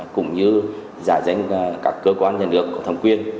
cũng như giải đánh các cơ quan nhận được thông quyền